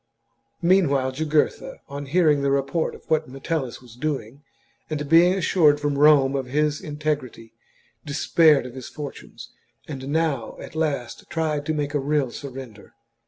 Meanwhile Jugurtha, on hearing the report of what chap. Metellus was doing, and being assured from Rome of his integrity, despaired of his fortunes, and now at XLVI. 172 THE JUGURTHINE WAR. CHAP, last tried to make a real surrender.